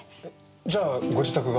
じゃあご自宅が？